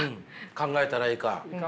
考えたらいいか。